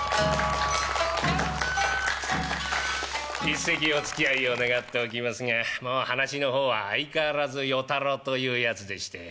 一席おつきあいを願っておきますがもう噺の方は相変わらず与太郎というやつでして。